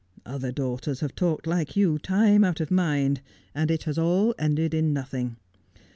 Other daughters have talked like you, time out of mind, and it has all ended in nothing.